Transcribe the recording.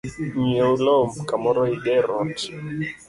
Ng’ieu lo kamoro iger ot